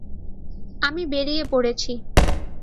আমি বেরিয়ে পড়েছি।